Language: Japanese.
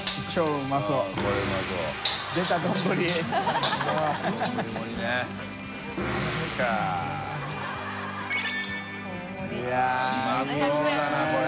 うまそうだなこれ。